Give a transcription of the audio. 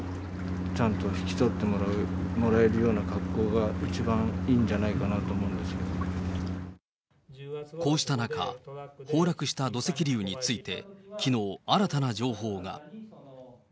ちゃんと引き取ってもらえるような恰好が、一番いいんじゃないかこうした中、崩落した土石流についてきのう、新たな情報が。